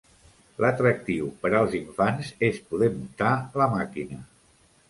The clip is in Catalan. L'atractiu per als infants és poder muntar la màquina.